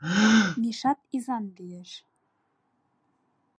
Мишат изан лиеш